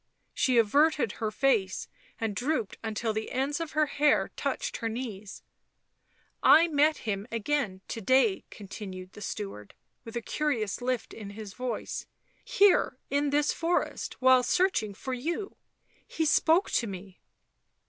She averted her face and drooped until the ends of her hair touched her knees. " I met him again to day," continued the steward, with a curious lift in his voice, " here, in this forest, while searching for you. He spoke to me."